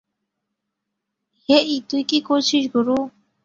হেই, তুই কি করেছিস গুরু!